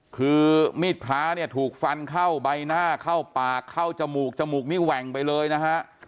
คือมีดพระเนี่ยถูกฟันเข้าใบหน้าเข้าปากเข้าจมูกจมูกนี่แหว่งไปเลยนะฮะ